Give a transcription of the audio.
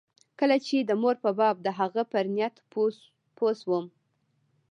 کله چې د مور په باب د هغه پر نيت پوه سوم.